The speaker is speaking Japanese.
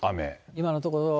今のところは。